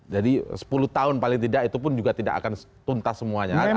jadi sepuluh tahun paling tidak itu pun juga tidak akan tuntas semuanya